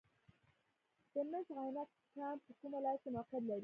د مس عینک کان په کوم ولایت کې موقعیت لري؟